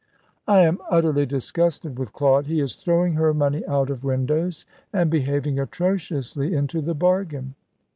"I am utterly disgusted with Claude. He is throwing her money out of windows, and behaving atrociously into the bargain."